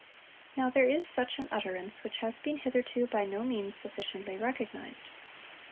Now there is such an utterance, which has been hitherto by no means sufficiently recognised.